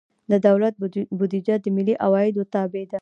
د دولت بودیجه د ملي عوایدو تابع ده.